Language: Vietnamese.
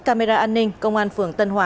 camera an ninh công an phường tân hòa